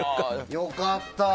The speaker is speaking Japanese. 良かった。